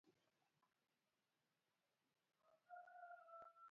Matuta to isuko pesa adi?